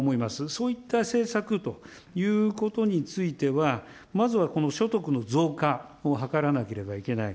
そういった政策ということについては、まずはこの所得の増加を図らなければいけない。